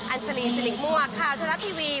อัญชลีนสิริกมวกข่าวเทศรัทย์ทีวี